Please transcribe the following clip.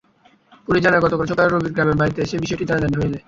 Police জানায়, গতকাল সকালে রবিন গ্রামের বাড়িতে এলে বিষয়টি জানাজানি হয়ে যায়।